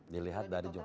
dilihat dari jumlah